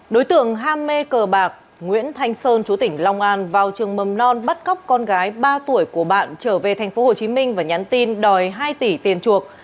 đối tượng ham mê cờ bạc nguyễn thanh sơn chú tỉnh long an vào trường mầm non bắt cóc con gái ba tuổi của bạn trở về tp hcm và nhắn tin đòi hai tỷ tiền chuộc